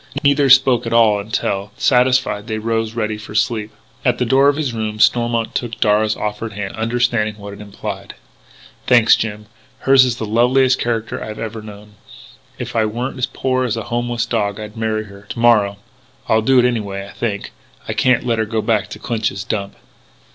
Neither spoke at all until, satisfied, they rose, ready for sleep. At the door of his room Stormont took Darragh's offered hand, understanding what it implied: "Thanks, Jim.... Hers is the loveliest character I have ever known.... If I weren't as poor as a homeless dog I'd marry her to morrow.... I'll do it anyway, I think.... I can't let her go back to Clinch's Dump!"